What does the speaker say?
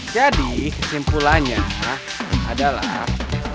jadi kesimpulannya adalah